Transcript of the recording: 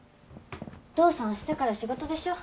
お父さん明日から仕事でしょ？